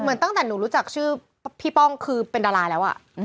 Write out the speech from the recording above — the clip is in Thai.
เหมือนตั้งแต่หนูรู้จักชื่อพี่ป้องคือเป็นดาราแล้ว